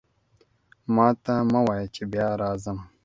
ماته مه وایه چې بیا راځم.